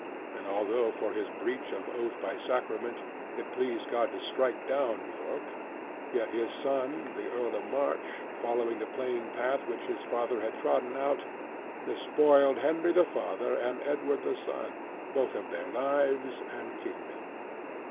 And although for his breach of oath by sacrament, it pleased God to strike down York: yet his son the Earl of March, following the plain path which his father had trodden out, despoiled Henry the father, and Edward the son, both of their lives and kingdom.